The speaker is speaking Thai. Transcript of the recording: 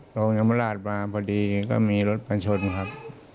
ตรงเยามราชมาพอดีก็มีรถพันชนครับ